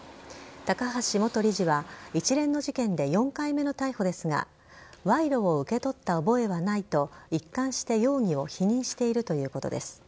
高橋元理事は一連の事件で４回目の逮捕ですが賄賂を受け取った覚えはないと一貫して容疑を否認しているということです。